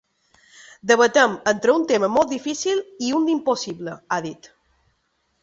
Debatem entre un tema molt difícil i un d’impossible, ha dit.